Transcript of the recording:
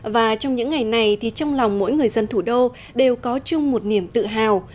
và trong những ngày này thì trong lòng mỗi người dân thủ đô đều có chung một niềm tự hào